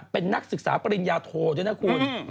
เป็นนักศึกษาปริญญาโทด้วยนะคุณ